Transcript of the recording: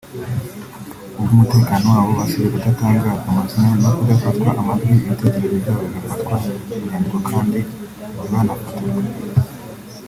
Ku bw’umutekano wabo basabye gudatangazwa amazina no kudafatwa amajwi ibitekerezo byabo bigafatwa mu nyandiko kandi ntibanafotorwe